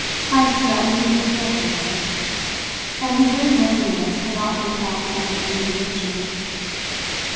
Heyst did not need to fear hunger; and his very loneliness had not been without some alleviation.